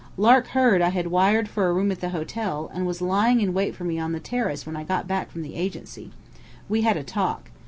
Lark heard I had wired for a room at the hotel, and was lying in wait for me on the terrace when I got back from the Agency. We had a talk.